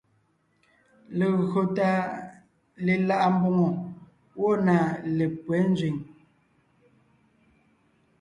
Legÿo tà lelaʼá mbòŋo gwɔ̂ na lépÿɛ́ nzẅìŋ.